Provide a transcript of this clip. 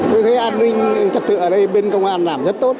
tôi thấy an ninh trật tự ở đây bên công an làm rất tốt